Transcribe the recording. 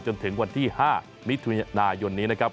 จนถึงวันที่๕มิถุนายนนี้นะครับ